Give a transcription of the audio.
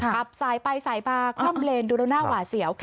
ขับสายไปสายมาคล่อมเลนดูแล้วหน้าหวาเสียว